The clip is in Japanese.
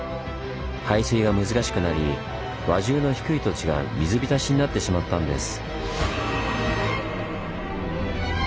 排水が難しくなり輪中の低い土地が水浸しになってしまったんです。